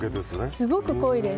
すごく濃いです。